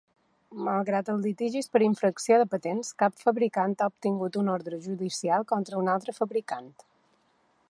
Malgrat els litigis per infracció de patents, cap fabricant ha obtingut una ordre judicial contra un altre fabricant.